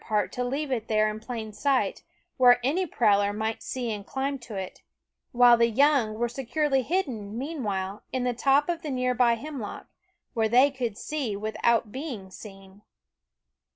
Eyed part to leave it there in plain sight, where any prowler might see and climb to it ; while the young were securely hidden, meanwhile, in the top of the near by hemlock, where they could see without being seen.